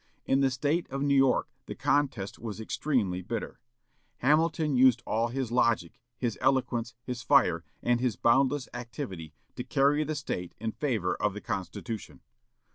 In the State of New York the contest was extremely bitter. Hamilton used all his logic, his eloquence, his fire, and his boundless activity to carry the State in favor of the Constitution.